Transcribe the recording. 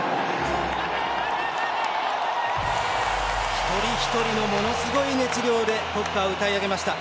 一人一人のものすごい熱量で国歌を歌い上げました。